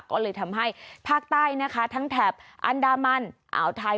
ก็เลยทำให้ภาคใต้นะคะทั้งแถบอันดามันอ่าวไทย